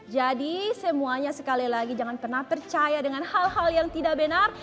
jadi semuanya sekali lagi jangan pernah percaya dengan hal hal yang tidak benar